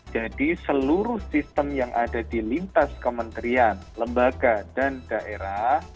jadi seluruh sistem yang ada di lintas kementerian lembaga dan daerah